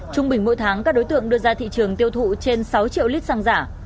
trung bình mỗi tháng các đối tượng đưa ra thị trường tiêu thụ trên sáu triệu lít xăng giả